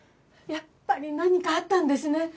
やっぱり何かあったんですね？